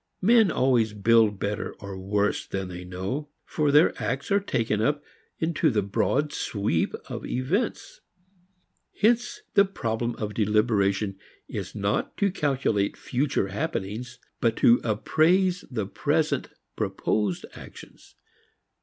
Men always build better or worse than they know, for their acts are taken up into the broad sweep of events. Hence the problem of deliberation is not to calculate future happenings but to appraise present proposed actions.